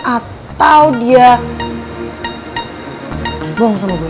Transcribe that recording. atau dia bohong sama gue